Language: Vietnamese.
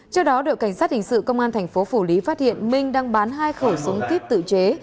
trước đó đội cảnh sát hình sự công an thành phố phủ lý phát hiện minh đang bán hai khẩu súng kíp tự chế